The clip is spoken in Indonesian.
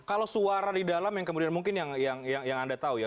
kalau suara di dalam yang kemudian mungkin yang anda tahu ya